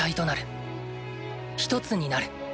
一つになる。